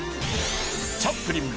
チャップリン